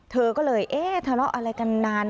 เธอก็เลยเอ๊ะทะเลาะอะไรกันนาน